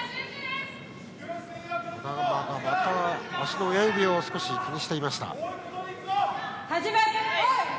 児玉が、また足の親指を少し気にしていました。